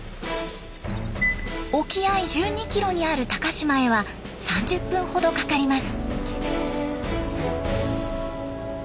沖合１２キロにある高島へは３０分ほどかかります。